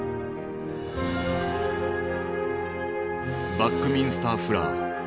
バックミンスター・フラー。